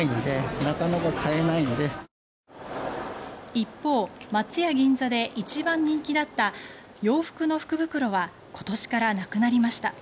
一方、松屋銀座で一番人気だった洋服の福袋は今年からなくなりました。